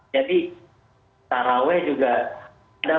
jadi tarawi juga